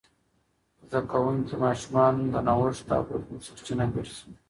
زده کوونکي ماشومان د نوښت او بدلون سرچینه ګرځي.